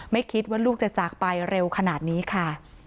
ไม่คิดว่าลูกจะจากไปเร็วขนาดนี้ค่ะ